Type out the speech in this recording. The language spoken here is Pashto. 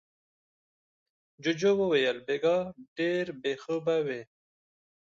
جوجو وويل: بېګا ډېر بې خوبه وې.